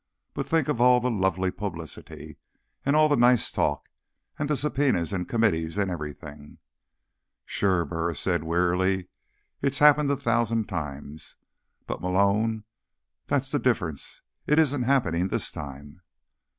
"But think of all the lovely publicity. And all the nice talk. And the subpoenas and committees and everything." "Sure," Burris said wearily. "It's happened a thousand times. But, Malone, that's the difference. It isn't happening this time."